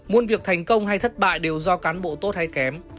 muôn việc thành công hay thất bại đều do cán bộ tốt hay kém